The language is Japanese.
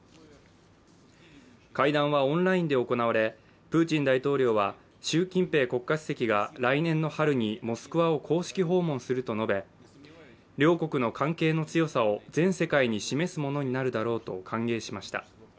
会談はオンラインで行われプーチン大統領は、習近平国家主席が来年の春にモスクワを公式訪問すると述べ、両国の関係の強さを全世界に示すものになるだろうと歓迎しました。